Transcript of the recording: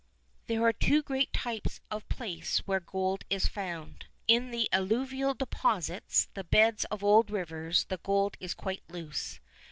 There are two great types of place where gold is found. In the alluvial deposits, the beds of old rivers, the gold is quite loose.